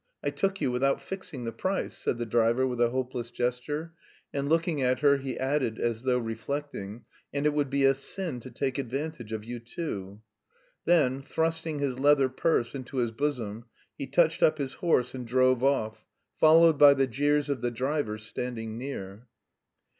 I took you without fixing the price," said the driver with a hopeless gesture, and looking at her he added as though reflecting: "And it would be a sin to take advantage of you too." Then, thrusting his leather purse into his bosom, he touched up his horse and drove off, followed by the jeers of the drivers standing near.